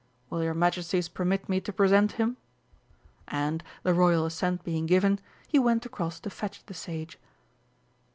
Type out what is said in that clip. Will your Majesties permit me to present him?" And, the Royal assent being given, he went across to fetch the sage.